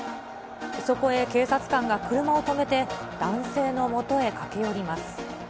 そこへ警察官が車を止めて、男性のもとへ駆け寄ります。